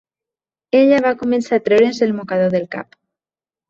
Ella va començar a treure's el mocador del cap